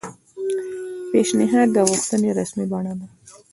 پیشنھاد د غوښتنې رسمي بڼه ده